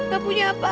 gak punya apa apa